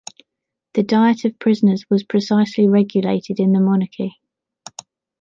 The diet of prisoners was precisely regulated in the Monarchy.